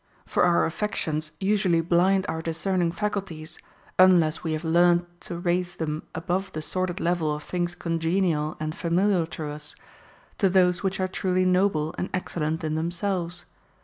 For our affections usually blind our discerning faculties, unless we have learned to raise them above the sordid level of things congenial and familiar to us, to those which are truly noble and excellent in themselves.